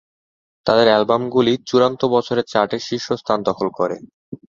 তাদের অ্যালবামগুলি চূড়ান্ত বছরের চার্টে শীর্ষ স্থান দখল করে।